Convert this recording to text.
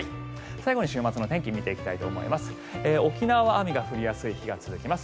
最後に週末の天気を見ていきたいと思います。